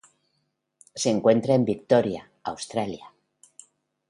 Se encuentra en Victoria Australia